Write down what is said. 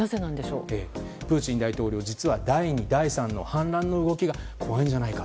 プーチン大統領、実は第二第三の反乱の動きが怖いんじゃないか。